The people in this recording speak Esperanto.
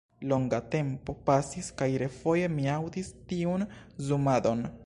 Longa tempo pasis kaj refoje mi aŭdis tiun zumadon.